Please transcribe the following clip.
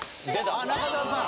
あ中澤さん